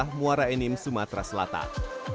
di kota muara enim sumatera selatan